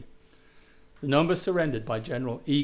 The number surrendered by General E.